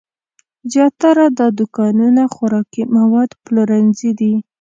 زیاتره دا دوکانونه خوراکي مواد پلورنځي دي.